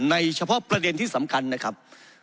เฉพาะประเด็นที่สำคัญนะครับ